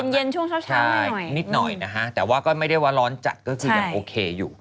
เย็นช่วงเช้านิดหน่อยนะฮะแต่ว่าก็ไม่ได้ว่าร้อนจัดก็คือยังโอเคอยู่